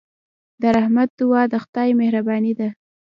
د رحمت دعا د خدای مهرباني ده.